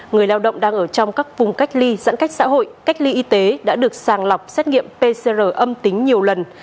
người lao động đang ở trong các vùng cách ly giãn cách xã hội cách ly y tế đã được sàng lọc xét nghiệm pcr âm tính nhiều lần